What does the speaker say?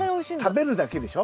食べるだけでしょ？